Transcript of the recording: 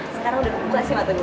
sekarang udah buka sih mata gue